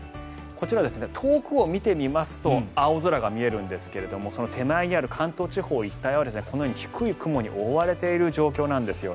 こちら、遠くを見てみますと青空が見えるんですがその手前にある関東地方一帯はこのように低い雲に覆われている状態なんです。